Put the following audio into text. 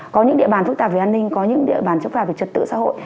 có những địa bàn phức tạp về an ninh có những địa bàn phức tạp về trật tự xã hội